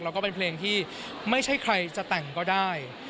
แล้วก็เป็นเพลงที่ไม่ใช่ใครจะแต่งก็ได้